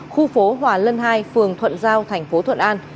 khu phố hòa lân hai phường thuận giao thành phố thuận an